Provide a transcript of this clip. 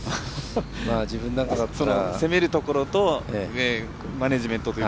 攻めるところとマネジメントという。